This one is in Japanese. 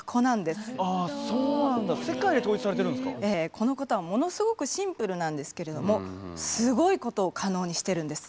このことはものすごくシンプルなんですけれどもすごいことを可能にしてるんです。